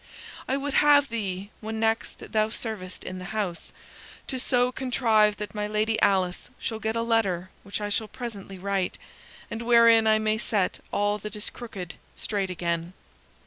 I would have thee, when next thou servest in the house, to so contrive that my Lady Alice shall get a letter which I shall presently write, and wherein I may set all that is crooked straight again."